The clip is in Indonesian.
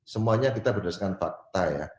semuanya kita berdasarkan fakta ya